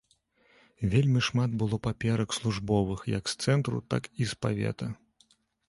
Вельмі шмат было паперак службовых як з цэнтру, так і з павета.